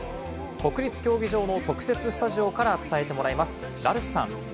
国立競技場の特設スタジオから伝えてもらいます。